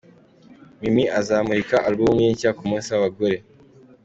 hano umukinnyi wa Lverpool Divock Origi yaratsinze igitego ajya mu bafana